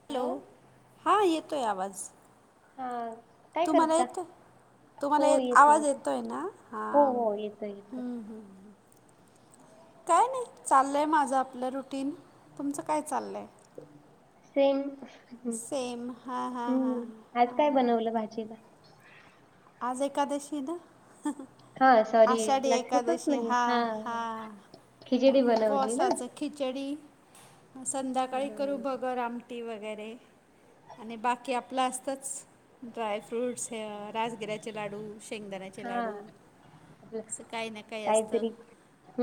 Hello हां येतो आहे आवाज हा काय तुम्हाला करता येतंय? हो तुम्हाला येतो आवाज येतो येतोय ना? हा हो हो येतो येतो हम्म हम्. काय नाही चाल्लंय माझं आपलं रुटीन, तुमचं काय चाल्लयं? सेम. सेम हां हां हां हम्म आज काय हां बनवलं भाजीला? आज एकादशी आहे ना. हा सॉरी आषाढी लक्षातच एकादशी नाही हा हा खिचडी मग बनवली ना उपवासाच खिचडी, संध्याकाळी करू हम्म भगर आम वगैरे आणि बाकी आपलं असतंच ड्राय फ्रूटस् हे राजगिऱ्याचे लाडू, शेंगदाण्याचे हा लाडू. आपलं अस काही ना काही असत काहीतरी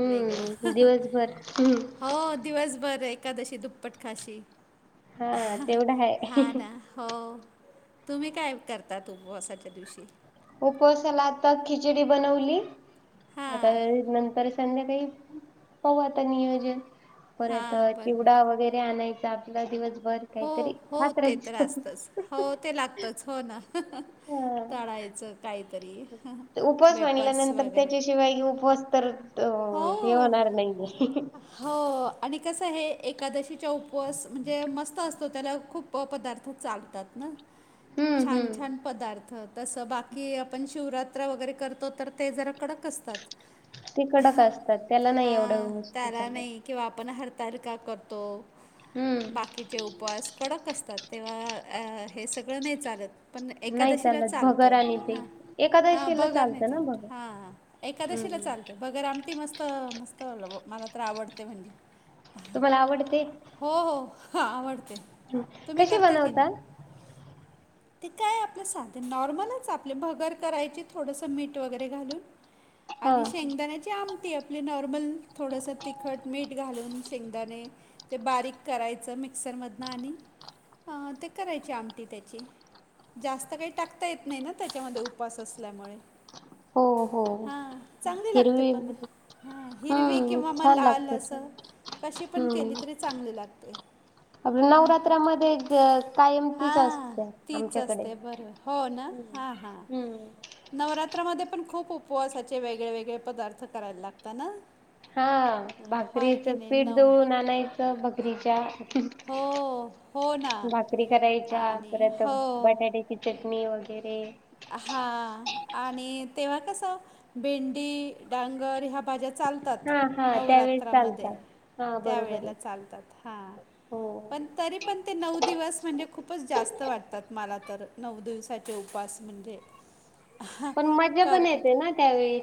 वेगळ दिवसभर हम्म हो दिवसभर एकादशी दुप्पट खाशी हा तेवढ हाय हा ना हो तुम्ही काय करतात उपवासाच्या दिवशी उपवासाला आता खिचडी बनवली आता हां नंतर संध्याकाळी पाहु आता नियोजन परत हां बरोबर चिवडा वगैरे आणायचा मला दिवसभर. हो काहीतरी - हो खात ते तर राहायचं. असतच हो ते लागतच हो ना हा तळायच काही तरी वेफर्स वगैरे शिवाय हे उपवास तर हो हे होणार नाहीे हो आणि कस हे एकादशीच उपवास म्हणजे मस्त असतो त्याला खूप पदार्थ चालतात ना. हम्म छान हम्म -छान पदार्थ तसं बाकी आपण शिवरात्र वगैरे करतो तर ते जरा कडक असतात. ते कडक असतात त्याला नाही एवढ हां वस्तू त्याला चालत नाही किंवा आपण हरतालिका करतो. हम्म बाकीचे उपवास कडक असतात तेव्हा हे सगळं नाही चालत फक्त नाही एकादशीला चालत भगर चालतं आणि ते भगर नाही चालत हा-हा एकादशीला भगर नाही चालतं ना भगर. चालत हा-हा एकादशीला हम्म चालत भगर आमटी मस्त-मस्त मला तर आवडते म्हणजे तुम्हाला आवडते हो-हो आवडते तुम्ही कशी करता की बनवता नाही ते काय आपलं साध नॉर्मलच आपले भगर करायची थोडसं मीठ वगैरे घालून. हा चण्याची आमटी आपली नॉर्मल थोडस तिखट मीठ घालून शेंगदाणे ते बारीक करायचं मिक्सरमधन आणि ते करायची आमटी त्याची जास्त काही टाकता येत नाही ना त्याच्यामध्ये उपवास असल्यामुळे हो-हो हां -हो चांगली लागते हिरवी पण हा हिरवी हम्म किंवा मग छान लाल अस लागते. कशी पण केली तरी चांगली लागते आपल आमटी नवरात्रामध्ये कायम तीच हां असते तीच आमच्याकडे असते बरोबर हो ना हां हां हम्म नवरात्रामध्ये पण खूप उपवासाचे वेगळे-वेगळे पदार्थ करायला लागत ना हा होय भाकरीच की नाही पीठ नऊ दळून आणायच भगरीच्या हो हो ना भाकरी करायच्या आणि परत हो बटाट्या चटणी वगैरे हा आणि तेव्हा कस भेंडी डांगर ह्या भाज्या चालतात हा हा त्यावेळेस नवरात्रामध्ये चालतात. हा बरोबर आहे त्यावेेळेला चालतात हा हो पण तरी पण ते नऊ दिवस म्हणजे खूप खूपच जास्त वाटतात मला तर नऊ दिवसाचे उपवास म्हणजे पण मज्जा पण येते करतात ना त्यावेळी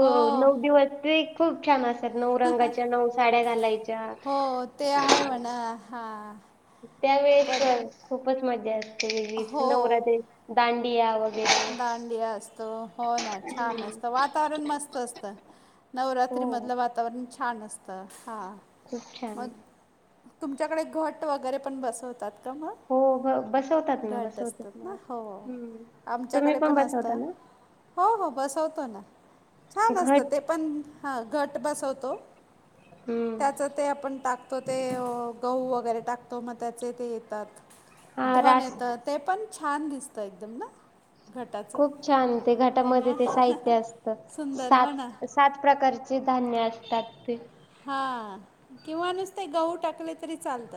हो दिवस ते खूप छान अस नऊ रंगाच्या नऊ साड्या घालायच्या हो ते हाय म्हणा हा त्या वेळेस पण खूपच मजा असते, वेगळीच. हो नवरात्रीत दांडिया वग दांडिया असतो. हो ना, छान हम्म असत. वातावरण मस्त असतं! हो नवरात्रीमधलं वातावरण छान असतं! हा. खूप छान! तुमच्याकडे घट वगैरे पण बसवतात का मग? हो ब बसवतात ना घट बसवतात असतात ना? हो. हम्म तुम्ही आमच्याकडे पण बसवता असता. ना? हो हो, बसवतो ना. छान असतं घट ते पण! ह, घट बसवतो हम्म त्याच ते आपण टाकतो ते, अ गहू वगैरे टाक तो. मग त्याचे ते येतात. हा धन रास येतं! ते पण छान दिसतं एकदम ना? घटाचं खूप छान! ते है घटामधे ना ते साहित्य असतं. सुंदर हो सात ना सात प्रकारची धान्य असतात ते. हा, किंवा नुसते गहू टाकले तरी चालत.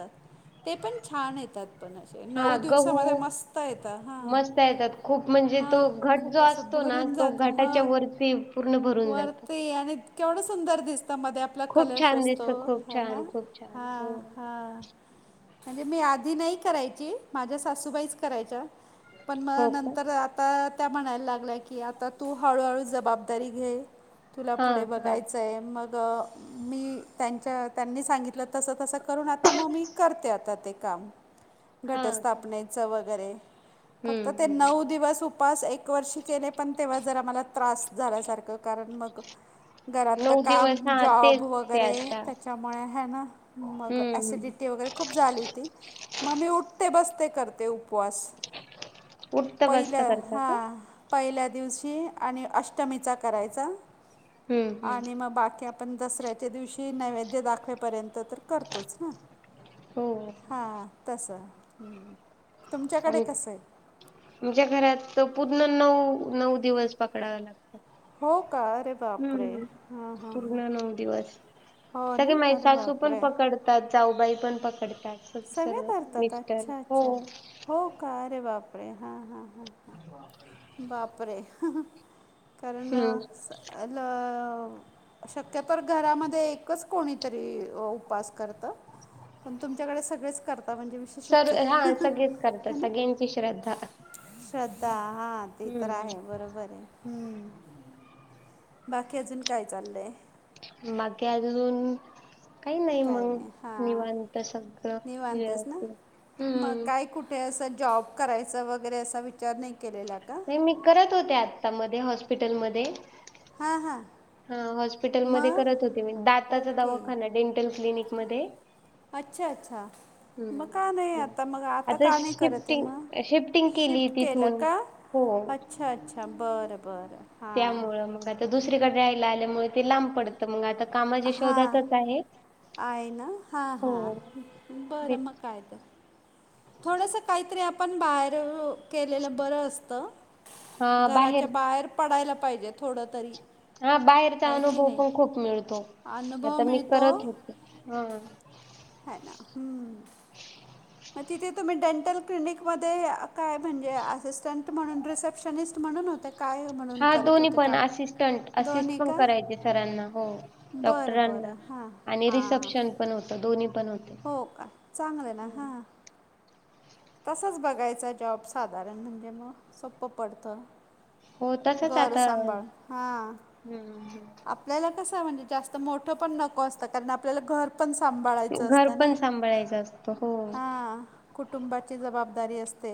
ते पण छान येतात! पण असे, हा नऊ गहू दिवसामध्ये मस्त येतं! हा, मस्त येतात खूप म्हणजे तो हा, घट जो खूप असं असतो ना भरून तो जातं, घटाच्या ह. वरती पूर्ण भरून जातो. वरती आणि केवढं सुंदर दिसतं! मध्ये आप ला खूप कलश छान असतो दिसतं खूप है ना? छान खूप छान हा, हो हा. म्हणजे मी आधी नाही करायची, माझ्या सासूबाईच करायच्या. पण मग हो का नंतर आता त्या म्हणायला लागल्या की, आता तू हळूहळू जबाबदारी घे. तुला पुढे हां हां बघायच ते मग मी त्यांच्या, त्यांनी सांगितलं तसं, तसं करून, आता मग मी करते आता ते काम, हां का घटस्थापनेचं वगैरे. फक्त हम्म ते नऊ हम्म दिवस उपास, एक वर्षी केले. पण तेव्हा जरा मला त्रास झाल्यासारख कारण मग, घरातलं नऊ काम दिवस हां शाबू तेच ते वगैरे, आता त्याच्यामुळे हाय ना, मग हम्म हम्म ॲसिडिटी वगरे खूप झाली होती. मग मी उठते - बसते करते उपवास. उठतं बसतं पहिलं, करता हा. का पहिल्या दिवशी आणि अष्टमीचा करायचा. हम्म हम्म आणि मग बाकी आप आपण दसऱ्याच्या दिवशी नैवेद्य दाखवेपर्यंत तर करतोच ना? हो हा, तसं. हं. तुमच्याकडे आम कसय? आमच्या घरात पूर्ण नऊ, नऊ दिवस पकडाव लागत. हो का? अरे बापरे हम्म. हां हां पूर्ण हां नऊ दिवस. हो ना सगळे माझी अरे सासू पण बापरे पकड तात, जाऊबाई पण पकडतात, सगळे सर्व. करतात मिस्टर. अच्छा हो. अच्छा हो, का? अरे बापरे! हां, हां, हां, हां. बापरे! बापरे! कारण हम्म स [unintelligible] शक्यतोर घरामध्ये एकच कोणीतरी उपास करत. पण तुमच्याकडे सगळेगच करता, म्हणजे वी सर विशेषच आहे! हां सगळेच हे करतात ना? सगळ्यांची श्रद्धा श्रद्धा हा, ते तर आहे. हम्म बरोबर आहे. बाकी अजून काय चाललय? बाकी अजून काही नाही काय मंग, हां निवांत सग निवांतच ना? मग काय कुठ ते असं जॉब करायचं वगैरे, असा विचार नाही केलेला का? नाही मी करत होते, आता मध्ये हॉस्पिटलमध्ये हां हां. हा हॉस्पिटलमध्ये करत होते मी, मग दाताचा ओके दवाखाना, डेंटल क्लिनिकमध्ये अच्छा! अच्छा! मग का नाही हम्म आता मग, आता का नाही करत आहे शिफ्टिंग मग, शिफ्टिंग केली शिफ्ट केलं तिथून का? हो अच्छा! अच्छा! बरं बरं हा तर दुसरीकडे राहायला आल्यामुळे ते लांब पडतं, मग आता कामाच्या हां शोधातच आहे. आहे ना, हां हो हां बे- बरं मग काय तर थोडस काहीतरी आपण बाहेर केलेलं बरं असतं, घराच्या बाहेर पडायला पाहिजे थोड तरी हा बाहेरचा आहे की अनुभव नाही पण खूप मिळतो, अनुभव आता मी मिळतो करत हा ह ना, हम्म मग तिथे तुम्ही डेंटल क्लिनिकमध्ये काय म्हणजे असिस्टंट म्हणून रिसेप्शनिस्ट म्हणून होते, काय म्हणून हा करत दोन्ही होते पण काम? असिस्टंट असिस्ट दोन्ही पण का करायचे सरांना, हो बरं डॉक्टरांना बरं हां आणि हां रिसेप्शन पण होत दोन्ही पण होते. हो का चांगलं आहे ना. हम् [unintelligible] तसच बघायचा जॉब साधारण म्हणजे मग सोपं पडतं. हो तसच घर आता सांभाळ हा, हम्म आप आपल्याला कस म्हणजे जास्त मोठं पण नको असतं, कारण आपल्याला घर पण सांभाळा घर पण सांभाळायचं असतो. हो हा, कुटुंबाची जबाबदारी असते.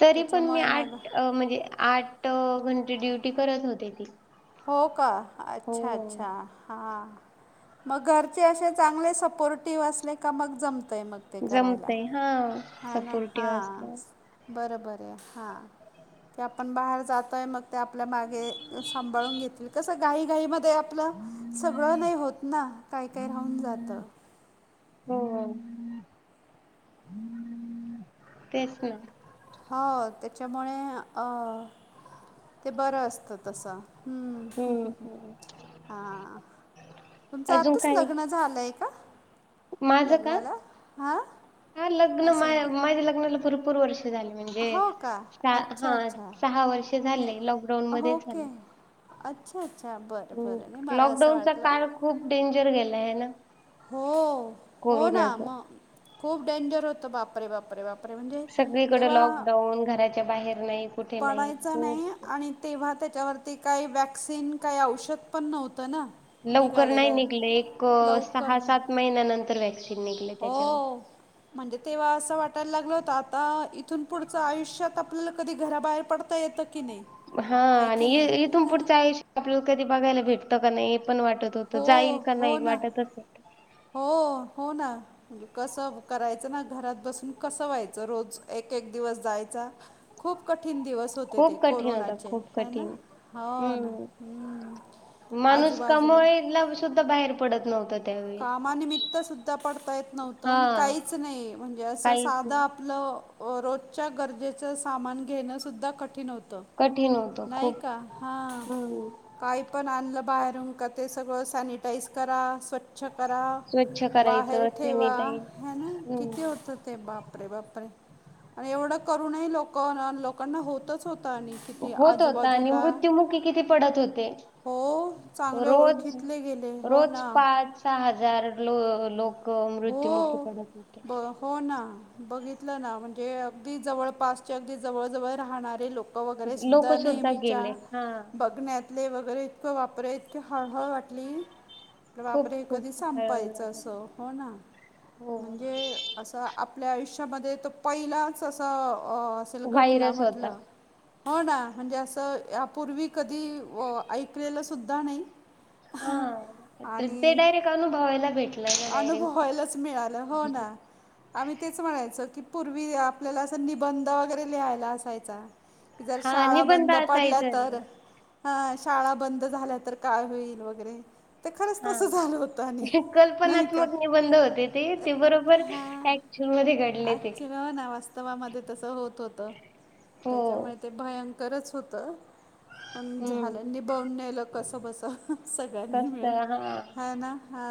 तरी पण मी त्याच्यामुळे मग आठ म्हणजे आठ घंटे ड्युटी करत होते की, हो का, अच्छा अच्छा हा! मग घरचे असे चांगले सपोर्टिव असले का, मग जमतंय मग. ते करायला, जमतय हा ह ना सपोर्टिव्ह हा. असल्यावर बरं बर हा, ते आपण बाहेर जातोय मग ते आपल्या मागे सांभाळून घेतील, कसं घाई घाईमध्ये आपलं सगळं नाही होत ना, काय काय राहून जात. हो, तेच ना. हो त्याच्यामुळे अ, ते बरं असतं तसं. हू, ह ह हम्म हां. तुमचं आताच लग्न झालंय का? माझ का, लग्नाला? हां? हा लग्न असं [unintelligible] माझ्या लग्नाला भरपूर वर्ष झाली. म्हणजे हो का? स अच्छा, हा अच्छा. सहा वर्ष नाही झाले लॉकडाऊन मध्ये ओके. झाले. अच्छा अच्छा! बरं बरं नाही हम्म मला असं लॉकडाऊनचा वाटलं काळ खूप डेंजर गेलाय हाय ना. हो, हो ना कोरोनाचा मग खूप डेंजर होतं बापरे बापरे बापरे! खरं म्हणजे, सगळीकडे तेव्हा लॉकडाऊन घराच्या बाहेर नाही कुठे नाही पाडायचा खूप नाही आणि तेव्हा त्याच्यावरती काही वॅक्सिन काही औषध पण नव्हतं ना. लवकर नाही निघालेलं निघले, एक लवकर सहा ना सात महिन्यानंतर व्हॅक्सिन निघले त्याच्यावर. हो म्हणजे तेव्हा असं वाटायला लागलं होतं आता, इथून पुढचं आयुष्यात आपल्याला कधी घराबाहेर पडता येतं की नाही. हा है आणि की इथून नाही पुढचं आयुष्य आपलं कधी बघायला भेटतं का नाही हे पण वाटत हो जाईल का हो नाही ना वाटतच हो, हो ना. कसं करायचं ना, घरात बसून कसं व्हायचं रोज. एक एक दिवस जायचा. खूप कठीण दिवस होते ते खूप कठीण होता कोरोनाचे. खूप हयना. कठीण हो ना. हम्म हम्म. माणूस आजूबाजूला कमवायला सुद्धा बाहेर पडत नव्हता. कामा निमित्त सुद्धा पडता येत हा काहीच नाही. म्हणजे असं काहीच साधं नाही आपलं रोजच्या गरजेचं सामान घेणंसुद्धा कठीण होतं. कठीण होतं नाही खूप का? हा. हम्म काही पण आणलं बाहेरून का, ते सगळं सॅनिटाईज करा. स्व्छ स्वच्छ करा. स्वच्छ बाहेर करायचं ठेवा. सॅनिटाईज हयना. किती हम्म होतं ते बापरे बाप. आणि एवढ करूनही लोक ना लो होत होता. आणि आजूबाजूला मृत्युमुखी किती पडत होते. हो चांगले रोज, ओळखीतले गेले हो रोज ना पाच सहा हजार लो लोक, मृत्युमुखी हो पडत होते. ब हो ना. बघितलं ना. म्हणजे अगदी जवळपासचे. अगदी जवळजवळ राहणारे लोक वगैरे लोक सुद्धा नेहमीच्या, गेले हा बघण्यात ले वगैरे. इतकं बापरे इतक हळहळ वाटली. अरे खूप बापरे हे खूप कधी हळहळ संपायचं वाटत होती. असं? हो ना. हो म्हणजे अस आपल्या आयुष्यामध्ये तो पहिलाच असं अ तील घटना व्हायरस होता म्हटलं. हो ना. म्हणजे असं यापूर्वी कधी ऐकलेलं सुद्धा नाही. हा. ते आणि डैरेक्ट अनुभव एला भेट अनुभवायलाच मिळालं. हो ना. आम्ही तेच म्हणायचो की पूर्वी, आपल्याला असा निबंध वगैरे लिहायला असायचा. जर हां शाळा निबंध बंद पडल्या असायचं तर? हा शाळा बंद झाल्या तर काय होईल? वगैरे. तर खरंच हां तसं झालं होतं आणि. नाही का कल्पनात्मक निबंध ते. ते बरोबर हां. ऍक्च मध्ये घडले ते. आजची ना वास्तवामध्ये तस होत होत. हो त्याच्यामुळे ते भयंकरच होतं. पण हम्म झालं. निभवूनेलं कस बस सगळ्यांनी मिळून. कसं ह ना. हा.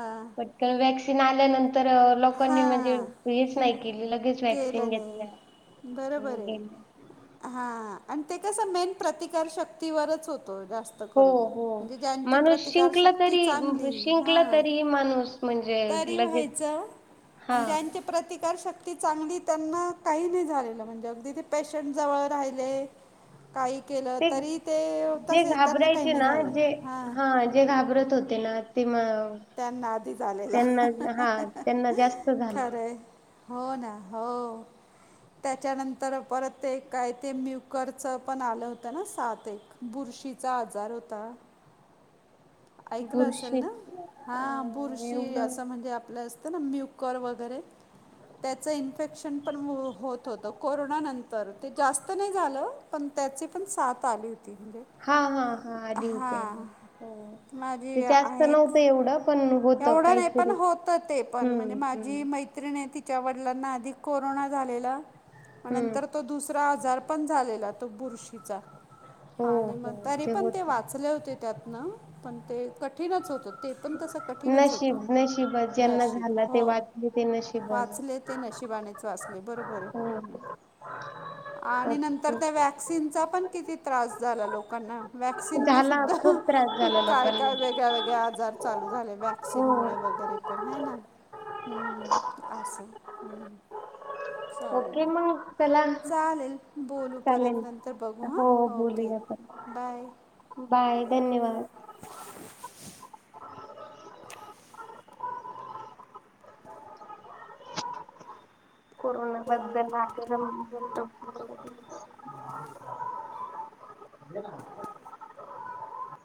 कारण व्हॅक्सिन आल्यानंतर लोकांनी म्हणजे हां. हेच नाही केली. लगेच व्हॅक्सिन केलं नाही. घेतल्या. हो बरोबरे. गेलं. हा आणि ते कस मेन प्रतिकार शक्ती वरच होत. हो हो माणूस शिंकला प्रतिकारशक्ती तरी, चांगली शिंकलं हां तरी माणूस म्हणजे तरी लगेच. हा. प्रतिकार शक ती चांगली त्यांना काही नाही झालेल. म्हणजे अगदी ते पेशंट जवळ राहिले. काही केलं ते तरी जे तसे त्यांना काही घाबरायचे नाही ना. झालं जे, हां. हा जे घाबरत होते ना. ती म त्यांना आधी झालेला त्यांना हा त्यांना जास्त झालं खरंय. हो ना. हो. त्याच्यानंतर परत ते काय ते, म्युकरचं पण आलं होतं ना सात एक. बरशीचा आजार होता. [inaudible] ऐकलं असेल बुरशी ना? अ हा बुरशी एवढं असं म्हणजे आपलं असतं ना म कुकर वगैरे त्याचं इन्फेक्शन पण होत होतं. कोरोनानंतर ते जास्त नाही झालं. पण त्याची पण साथ आली होती. म्हणजे हा हा हा आली होती हा आली होती माझी आहे. एवढा पण मग एवढं नाही पण होत ते पण म्हणजे माझी हम्म मैत्रि त वडलांना आधी कोरोना झालेला हम्म नंतर तो दुसरा आजार पण झालेला तो बुरशीचा, हो आणि मग हो तरी पण ते होत वाचले होते. त्यात ना पण ते कठीणच होत. ते पण तसा कठीन ठीनच होत नशीब नशीब ज्यांना नशीब झाला ते वाचले ते नशीबवान वाचले हो. ते नशिबानेच वाचले बरोबर आहे. हो आणि नंतर तर ओके त्या वॅक्सिनचा पण कीती त्रास झाला लोकांना. वॅक्सिनने झाला सुद्धा खूप त्रास झाला काय, काय लोकांना वेगळ्या, वेगळ्या आजार चालू झाले वा हो क्सिनमुळे वगैरे पण ह ना असं. चालेल ओके म मग चला चालेल बोलू चालेल. परत नंतर बघू हो हां ओके. बोलूया आपण. बाय. बाय धन्यवाद. कोरोना बद्दल आक्रमक [inaudible]